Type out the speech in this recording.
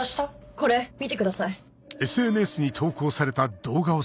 これ見てください。